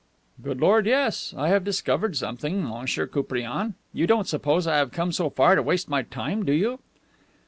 "Good Lord, yes, I have discovered something, Monsieur Koupriane. You don't suppose I have come so far to waste my time, do you?"